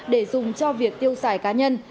để dùng cho việc tiêu xài cá nhân